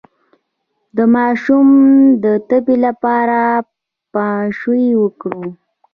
د ماشوم د تبې لپاره پاشویه وکړئ